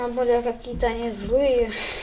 dan mereka lebih baik di lviv